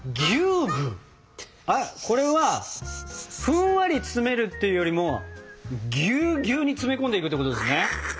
これはふんわり詰めるっていうよりもぎゅうぎゅうに詰め込んでいくってことですね？